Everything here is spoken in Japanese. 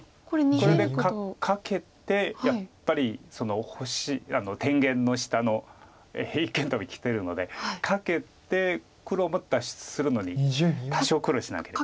これでカケてやっぱり星天元の下の一間トビきてるのでカケて黒も脱出するのに多少苦労しなければいけない。